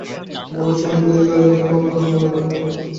বরঞ্চ এ সম্বন্ধে শিকারি জন্তুর মতো তাহার মনে একটা কঠোর হিংস্রতা ছিল।